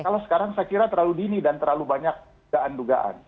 kalau sekarang saya kira terlalu dini dan terlalu banyak dugaan dugaan